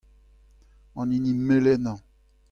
An hini melenañ.